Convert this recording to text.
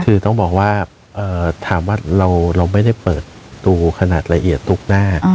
คือถ้าตอบเรามันไม่ได้เปิดดูขนาดละเอียดตุ๊กหน้า